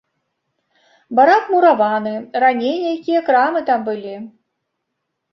Барак мураваны, раней нейкія крамы там былі.